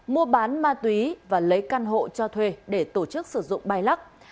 mua bán ma túy và lấy căn hộ cho thuê để tổ chức sử dụng bay lắc